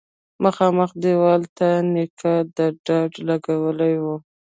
مخامخ دېوال ته نيکه ډډه لگولې وه.